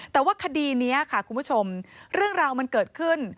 แต่ว่าคดีนี้ค่ะคุณผู้ชมเรื่องราวมันเกิดขึ้น